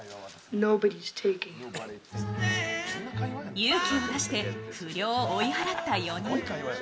勇気を出して不良を追い払った４人。